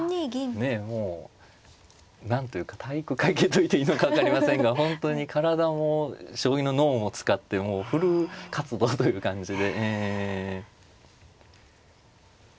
ねえもう何というか体育会系と言っていいのか分かりませんが本当に体も将棋の脳も使ってもうフル活動という感じでええ。